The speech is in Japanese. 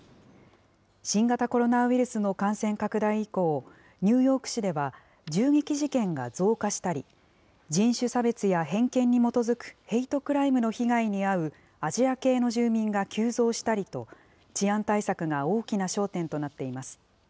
新型コロナウイルスの感染拡大以降、ニューヨーク市では、銃撃事件が増加したり、人種差別や偏見に基づくヘイトクライムの被害に遭うアジア系の住民が急増したりと、治安対策が大きな焦点となっています。